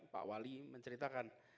pak wali menceritakan